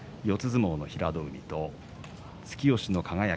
相撲の平戸海と突き押しの輝。